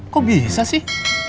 kok bisa sih